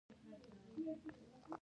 راکټ د فزیکي اصولو بشپړ اطاعت کوي